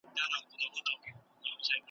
هر فرمان به دي راغلی له اسمان وي `